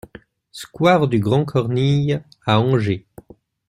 SQUARE DU GRAND CORNILLE à Angers